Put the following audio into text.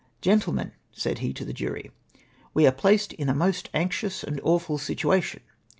"'Gentlemen;' said he to the jury, 'we are placed in a most anxious and awful situation.